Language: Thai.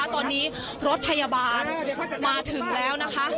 ตอนนี้รถพยาบาลมาถึงแล้วนะคะ